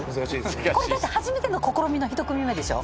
これだって初めての試みの１組目でしょ？